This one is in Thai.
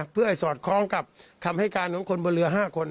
เพื่อให้สอดคล้องกับคำให้การของคนบนเรือ๕คน